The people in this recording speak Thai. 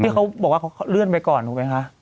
เขาบอกว่าเขาเลื่อนไปก่อนถูกไหมคะ